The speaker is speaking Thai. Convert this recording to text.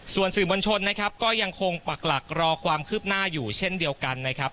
ส่วนสื่อมวลชนนะครับก็ยังคงปักหลักรอความคืบหน้าอยู่เช่นเดียวกันนะครับ